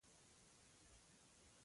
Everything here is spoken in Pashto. خو له سوکړکه لا هم تپونه ختل.